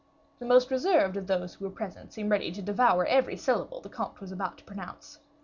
The most reserved of those who were present seemed ready to devour every syllable the comte was about to pronounce.